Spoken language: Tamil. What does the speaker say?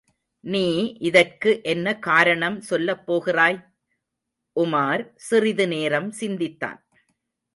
நீ இதற்கு என்ன காரணம் சொல்லப் போகிறாய்? உமார் சிறிது நேரம் சிந்தித்தான்.